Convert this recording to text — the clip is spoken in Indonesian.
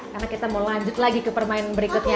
karena kita mau lanjut lagi ke permainan berikutnya